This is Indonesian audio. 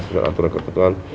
secara aturan kebetulan